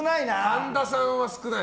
神田さんは少ない。